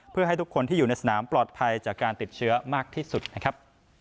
เพื่อให้ทุกคนที่อยู่ในสนามปลอดภัยจากการติดเชื้อมากที่สุดนะครับ